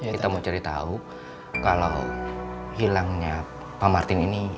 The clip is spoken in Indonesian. kita mau cari tahu kalau hilangnya pak martin ini